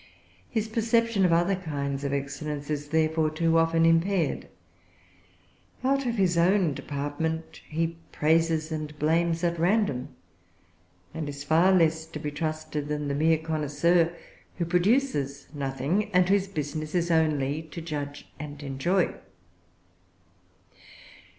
His perception of other kinds of excellence is therefore too often impaired. Out of his own department he praises and blames at random, and is far less to be trusted than the mere connoisseur, who produces nothing, and whose business is only to judge and enjoy.